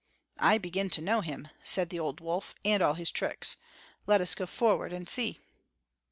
"I begin to know him," said the old wolf, "and all his tricks. Let us go forward and see."